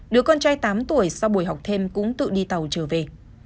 đứa con trai tám tuổi sau buổi học thêm cũng tự đi tàu trở về